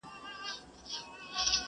هره ورځ به درلېږي سل رحمتونه؛